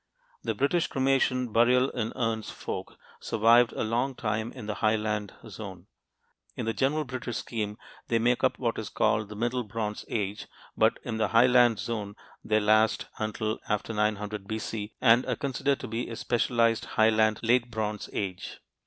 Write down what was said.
The British cremation burial in urns folk survived a long time in the highland zone. In the general British scheme, they make up what is called the "Middle Bronze Age," but in the highland zone they last until after 900 B.C. and are considered to be a specialized highland "Late Bronze Age."